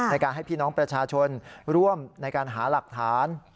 ให้พี่น้องประชาชนร่วมในการหาหลักฐาน